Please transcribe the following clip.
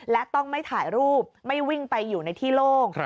และต้องไม่ถ่ายรูปไม่วิ่งไปอยู่ในที่โล่ง